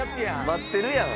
待ってるやん。